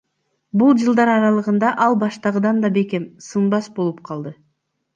Бул жылдар аралыгында ал баштагыдан да бекем, сынбас болуп калды.